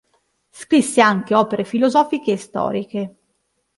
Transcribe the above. Scrisse anche opere filosofiche e storiche.